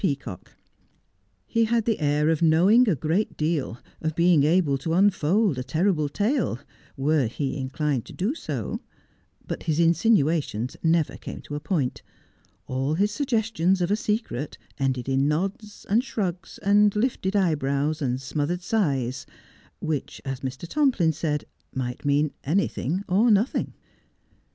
Peacock. Tie had the air of knowing a great deal— of being able to unfold a terrible tale— were he inclined to do so, but his insinuations never came to a point. All his suggestions of a secret ended in nods, and shrugs, and lifted eyebrows, and smothered sighs, which, as Mr. Tomplin said, might mean any thing or nothing.